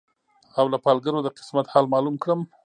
او له پالګرو د قسمت حال معلوم کړم